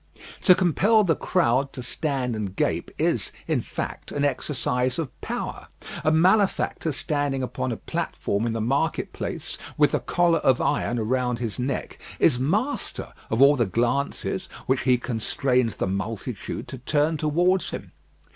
To compel the crowd to stand and gape is, in fact, an exercise of power. A malefactor standing upon a platform in the market place, with the collar of iron around his neck, is master of all the glances which he constrains the multitude to turn towards him.